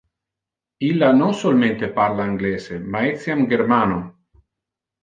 Illa non solmente parla anglese, ma etiam germano.